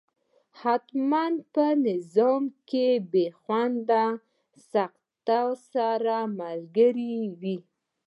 حتما به په نظم کې بې خونده سکته ورسره ملګرې وي.